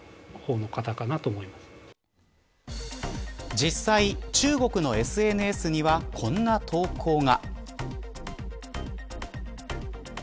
実際、中国のＳＮＳにはこんな投稿が。